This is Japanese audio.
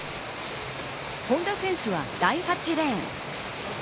本多選手は第８レーン。